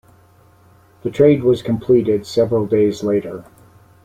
The trade was completed several days later.